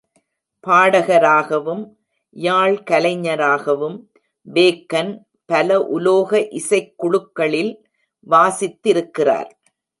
பாடகராகவும் யாழ் கலைஞராகவும் பேக்கன் பல உலோக இசைக்குழுக்களில் வாசித்திருக்கிறார்.